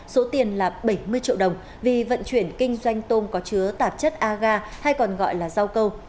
số tiền là bảy mươi triệu đồng vì vận chuyển kinh doanh tôm có chứa tạp chất aga hay còn gọi là rau câu